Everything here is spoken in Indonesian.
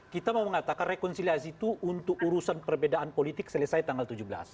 kita mau mengatakan rekonsiliasi itu untuk urusan perbedaan politik selesai tanggal tujuh belas